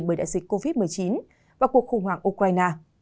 bởi đại dịch covid một mươi chín và cuộc khủng hoảng ukraine